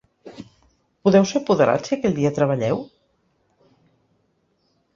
Podeu ser apoderats si aquell dia treballeu?